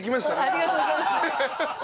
ありがとうございます。